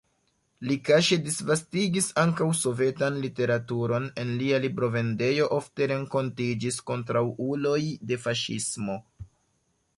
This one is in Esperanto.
Li kaŝe disvastigis ankaŭ sovetan literaturon, en lia librovendejo ofte renkontiĝis kontraŭuloj de faŝismo.